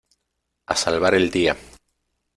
A salvar el día.